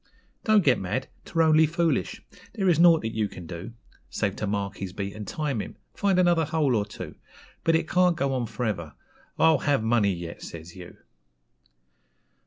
Don't get mad; 'twere only foolish; there is nought that you can do, Save to mark his beat and time him find another hole or two; But it can't go on for ever 'I'll have money yet!' says you.